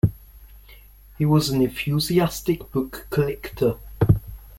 He was an enthusiastic book-collector.